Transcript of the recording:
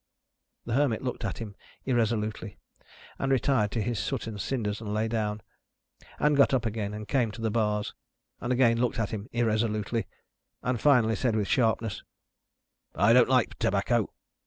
The Hermit looked at him irresolutely, and retired to his soot and cinders and lay down, and got up again and came to the bars, and again looked at him irresolutely, and finally said with sharpness: "I don't like tobacco."